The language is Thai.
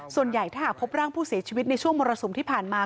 ส่วนใหญ่ถ้าหากพบร่างผู้เสียชีวิตในช่วงมรสุมที่ผ่านมา